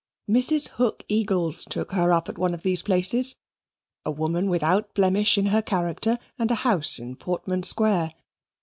Mrs. Hook Eagles took her up at one of these places a woman without a blemish in her character and a house in Portman Square.